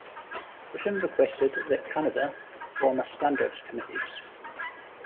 Britain requested that Canada form a standards committee.